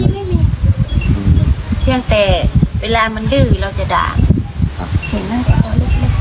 ไม่มีไม่มีอืมเพียงแต่เวลามันดื้อเราจะด่าครับเห็นมันตั้งแต่พอเล็กเล็ก